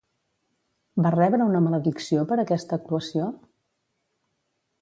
Va rebre una maledicció per aquesta actuació?